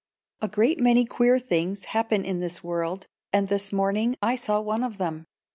A GREAT many queer things happen in this world, and this morning I saw one of them.